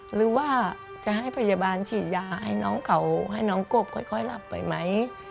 หรือว่าจะให้พยาบาลฉีดยาให้น้องเขาให้น้องกบค่อยหลับไปไหม